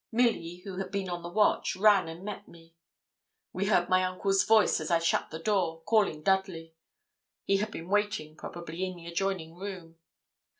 Milly, who had been on the watch, ran and met me. We heard my uncle's voice, as I shut the door, calling Dudley. He had been waiting, probably, in the adjoining room.